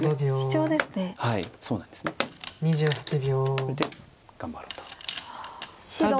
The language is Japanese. これで頑張ろうと。